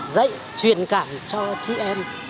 dạy truyền cảm cho chị em